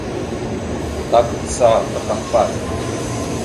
Ta kagsa ta kahpaɗ.